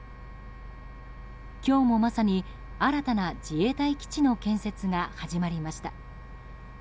今日もまさに新たな自衛隊基地の建設が始まりました。